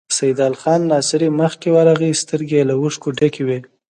سيدال خان ناصري مخکې ورغی، سترګې يې له اوښکو ډکې وې.